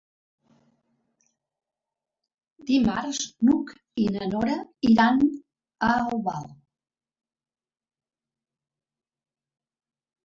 Dimarts n'Hug i na Nora iran a Albal.